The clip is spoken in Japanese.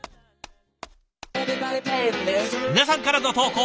皆さんからの投稿